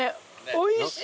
おいしい。